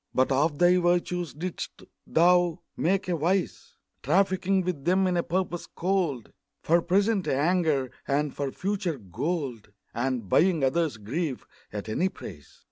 But of thy virtues didst thou make a vice, Trafficking with them in a purpose cold, For present anger, and for future gold And buying others' grief at any price.